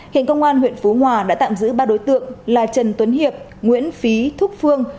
hiện công an huyện phú hòa đã tạm giữ ba đối tượng là trần tuấn hiệp nguyễn phí thúc phương